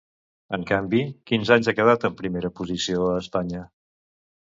En canvi, quins anys ha quedat en primera posició a Espanya?